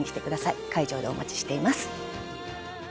会場でお待ちしています。